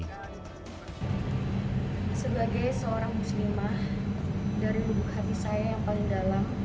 sebagai seorang muslimah dari lubuk hati saya yang paling dalam